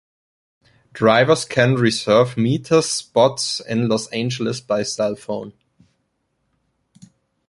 Drivers can reserve meters spots in Los Angeles by cellphone.